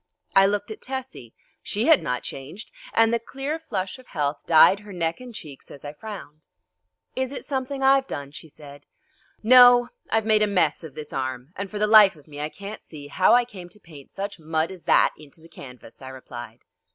I looked at Tessie. She had not changed, and the clear flush of health dyed her neck and cheeks as I frowned. "Is it something I've done?" she said. "No, I've made a mess of this arm, and for the life of me I can't see how I came to paint such mud as that into the canvas," I replied.